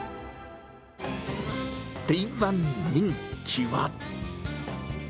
定番人気は。